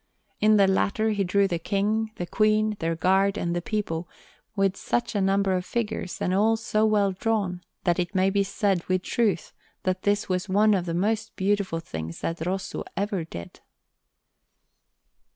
In the latter he drew the King, the Queen, their Guard, and the people, with such a number of figures, and all so well drawn, that it may be said with truth that this was one of the most beautiful things that Rosso ever did.